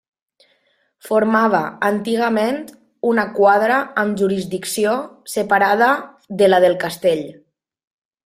Formava antigament una quadra amb jurisdicció separada de la del castell.